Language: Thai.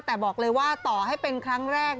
แต่บอกเลยว่าต่อให้เป็นครั้งแรก